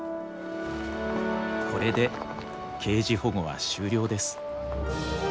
これでケージ保護は終了です。